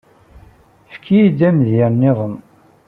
Efk-iyi-d amedya-nniḍen.